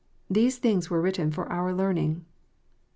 These things were written for our learning.